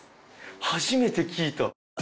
初めて聞いた。